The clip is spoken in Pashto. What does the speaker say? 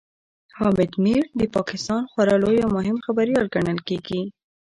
حامد میر د پاکستان خورا لوی او مهم خبريال ګڼل کېږي